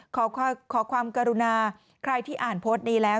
ขอความกรุณาใครที่อ่านโพสต์นี้แล้ว